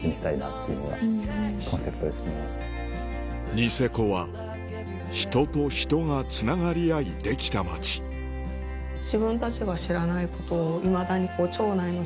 ニセコは人と人がつながり合いできた町うんうん。